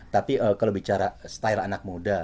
tapi kalau bicara style anak muda